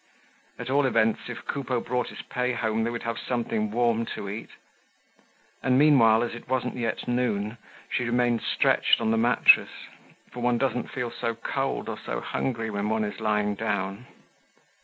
At all events, if Coupeau brought his pay home they would have something warm to eat. And meanwhile, as it wasn't yet noon, she remained stretched on the mattress, for one doesn't feel so cold or so hungry when one is lying down.